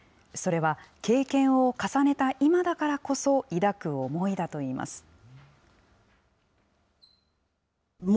それは経験を重ねた今だからこそ抱く思いだといいます。